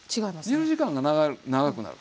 煮る時間が長くなる。